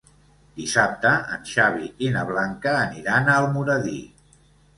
Dissabte en Xavi i na Blanca aniran a Almoradí.